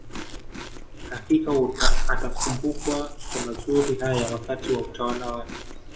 Hakika atakumbukwa kwa mazuri haya wakati wa utawala wake